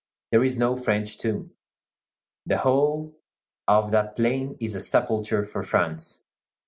There is no French tomb. The whole of that plain is a sepulchre for France.